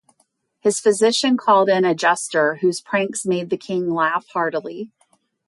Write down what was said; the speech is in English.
His physician called in a jester, whose pranks made the king laugh heartily.